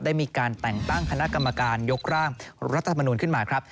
ได้มีการแต่งตั้งคณะกรรมการยกร่างรัฐธรรมนูลขึ้นมาครับ